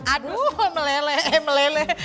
aduh meleleh meleleh